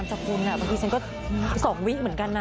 ช่วยเจน